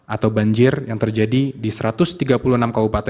atau banjir yang terjadi di satu ratus tiga puluh enam kabupaten